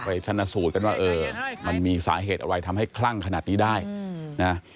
ชนะสูตรกันว่าเออมันมีสาเหตุอะไรทำให้คลั่งขนาดนี้ได้นะ